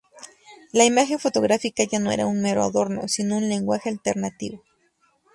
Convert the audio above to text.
La imagen fotográfica ya no era un mero adorno, sino un lenguaje alternativo.